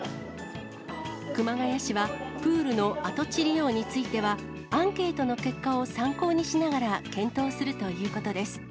熊谷市はプールの跡地利用については、アンケートの結果を参考にしながら、検討するということです。